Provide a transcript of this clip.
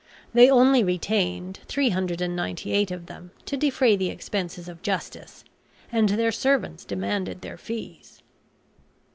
They only retained three hundred and ninety eight of them to defray the expenses of justice; and their servants demanded their fees.